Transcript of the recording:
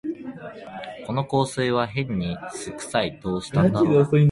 この香水はへんに酢くさい、どうしたんだろう